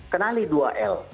kenali dua l